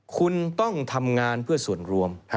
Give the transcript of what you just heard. คุณต้องทำงานเพื่อส่วนรวม